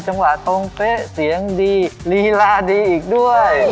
จังหวะตรงเป๊ะเสียงดีลีลาดีอีกด้วย